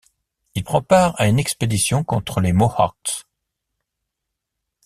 Il prend part à une expédition contre les Mohawks.